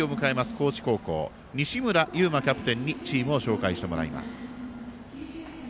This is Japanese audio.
高知高校の西村侑真キャプテンにチームを紹介してもらいます。